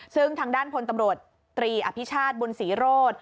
ซึ่งทางด้านพลตำรวจตรีอภิชาติบุญศรีโรธ